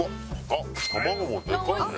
玉子もでかいね。